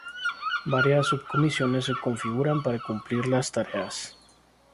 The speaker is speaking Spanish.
Varias subcomisiones se configuran para cumplir las tareas.